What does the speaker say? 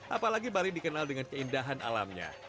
apalagi bali dikenal dengan keindahan alamnya